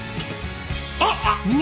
あっ！